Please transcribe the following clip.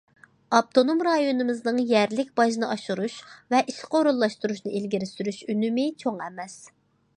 ئاپتونوم رايونىمىزنىڭ يەرلىك باجنى ئاشۇرۇش ۋە ئىشقا ئورۇنلاشتۇرۇشنى ئىلگىرى سۈرۈش ئۈنۈمى چوڭ ئەمەس.